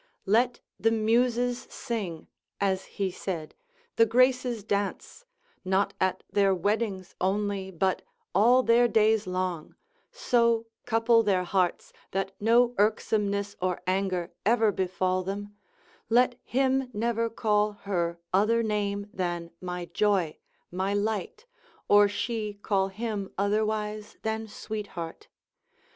Let the Muses sing, (as he said;) the Graces dance, not at their weddings only but all their days long; so couple their hearts, that no irksomeness or anger ever befall them: let him never call her other name than my joy, my light, or she call him otherwise than sweetheart.